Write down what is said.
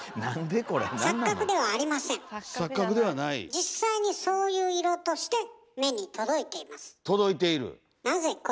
実際にそういう色として目に届いています。